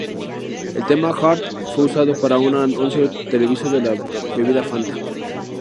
El tema ""Arde"" fue usado para un anuncio televisivo de la bebida Fanta.